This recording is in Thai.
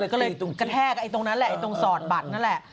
ก็เลยกระแทกตรงนั้นแหละตรงสอดบัตรนั่นแหละ